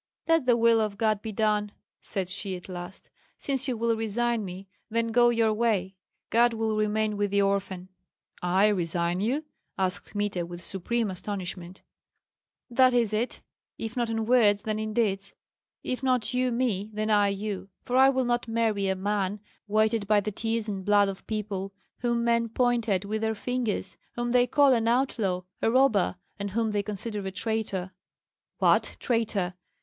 "Let the will of God be done," said she at last; "since you will resign me, then go your way. God will remain with the orphan." "I resign you?" asked Kmita, with supreme astonishment. "That is it! if not in words, then in deeds; if not you me, then I you. For I will not marry a man weighted by the tears and blood of people, whom men point at with their fingers, whom they call an outlaw, a robber, and whom they consider a traitor." "What, traitor!